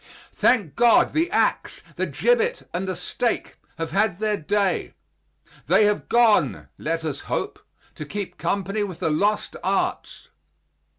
Thank God, the ax, the gibbet, and the stake have had their day. They have gone, let us hope, to keep company with the lost arts.